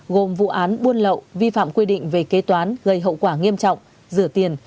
gồm vụ án buôn lậu vi phạm quy định về kế toán gây hậu quả nghiêm trọng rửa tiền